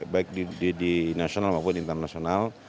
baik di nasional maupun internasional